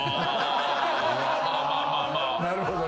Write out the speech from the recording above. なるほどね。